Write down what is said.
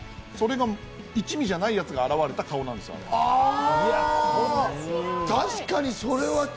それが一味じゃないやつが現れた顔なんですよ、あれは。